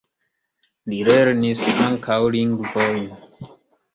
Li lernis ankaŭ lingvojn.